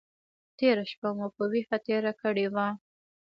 تېره شپه مو په ویښه تېره کړې وه.